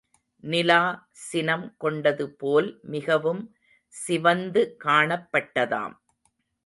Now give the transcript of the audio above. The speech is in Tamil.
நிலா சினம் கொண்டதுபோல் மிகவும் சிவந்து காணப்பட்டதாம்.